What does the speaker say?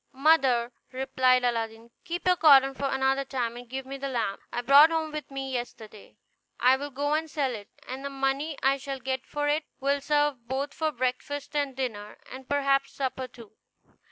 "Mother," replied Aladdin, "keep your cotton for another time, and give me the lamp I brought home with me yesterday; I will go and sell it, and the money I shall get for it will serve both for breakfast and dinner, and perhaps supper too."